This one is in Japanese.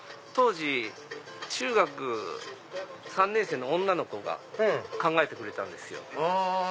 当時中学３年生の女の子が考えてくれたんですよ。